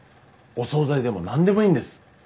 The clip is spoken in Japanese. お総菜でも何でもいいんです。